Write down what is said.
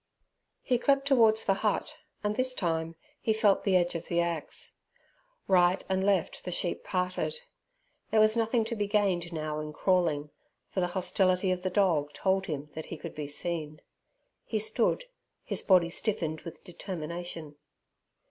He crept towards the hut, and this time he felt the edge of the axe. Right and left the sheep parted. There was nothing to be gained now in crawling, for the hostility of the dog told him that he could be seen. He stood, his body stiffened with determination.